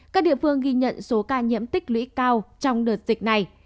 các địa phương ghi nhận số ca nhiễm tích lũy cao trong đợt dịch này